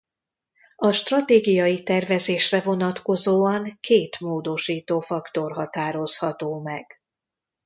A stratégiai tervezésre vonatkozóan két módosító faktor határozható meg.